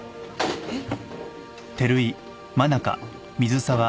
えっ？